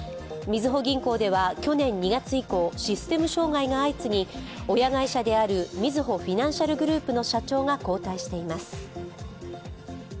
みずほ銀行では去年２月以降システム障害が相次ぎ親会社であるみずほフィナンシャルグループ社長が交代しています。